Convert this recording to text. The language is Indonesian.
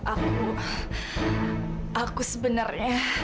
aku aku sebenarnya